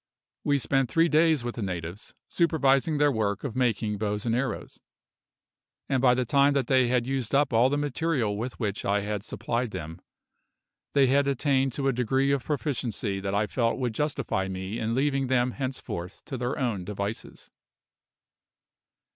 We spent three days with the natives, supervising their work of making bows and arrows; and by the time that they had used up all the material with which I had supplied them, they had attained to a degree of proficiency that I felt would justify me in leaving them henceforth to their own devices.